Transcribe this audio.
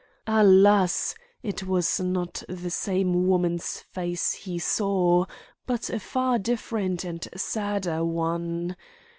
Alas! it was not the same woman's face he saw; but a far different and sadder one.